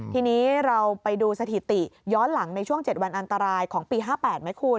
ทีนี้เราไปดูสถิติย้อนหลังในช่วง๗วันอันตรายของปี๕๘ไหมคุณ